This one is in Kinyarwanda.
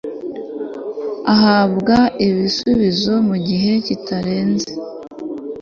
ahabwa igisubizo mu gihe kitarenze